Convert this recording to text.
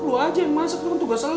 lo aja yang masak kan tugas lo